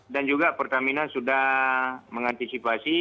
dan juga pertamina sudah mengantisipasi